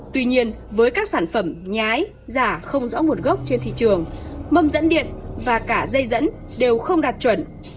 tuy nhiên với các sản phẩm nhái giả không rõ nguồn gốc trên thị trường mầm dẫn điện và cả dây dẫn đều không đạt chuẩn